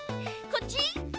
こっち？」